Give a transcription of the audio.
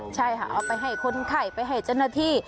ใช่ค่ะเอาไปให้คนไข้ไปให้เจ้าหน้าที่